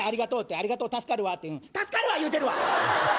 ありがとう助かるわって助かるわ言うてるわ！